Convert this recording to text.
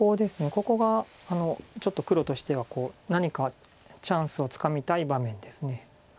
ここがちょっと黒としては何かチャンスをつかみたい場面です。